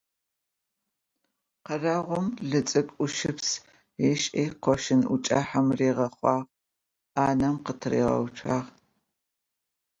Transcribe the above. Khereum lıts'ık'uşıps ış'i, khoşşın Uç'ıhem riğexhuağ, anem khıtriğeutsuağ.